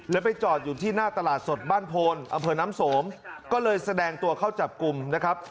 แล้วไปจอดอยู่ที่หน้าตลาดสดบ้านโพนอำเภอน้ำสมก็เลยแสดงตัวเข้าจับกลุ่มนะครับ